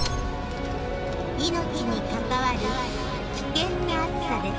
命に関わる危険な暑さです。